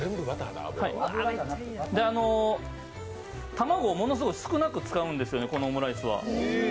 卵をものすごく少なく使うんですよね、このオムライスは。